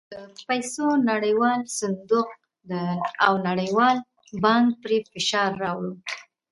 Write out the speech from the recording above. د پیسو نړیوال صندوق او نړیوال بانک پرې فشار راووړ.